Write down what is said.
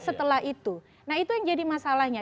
setelah itu nah itu yang jadi masalahnya